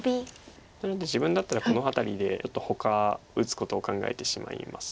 なので自分だったらこの辺りでちょっとほか打つことを考えてしまいます。